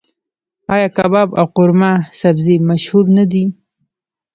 آیا کباب او قورمه سبزي مشهور نه دي؟